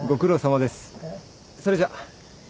それじゃ。